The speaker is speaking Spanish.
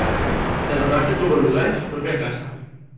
El rodaje tuvo lugar en su propia casa.